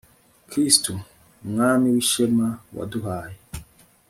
kristu mwami w'ishema, waduhaye